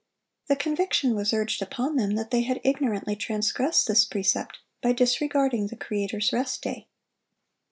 The conviction was urged upon them, that they had ignorantly transgressed this precept by disregarding the Creator's rest day.